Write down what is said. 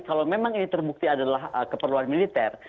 kalau memang ini terbukti adalah keperluan militer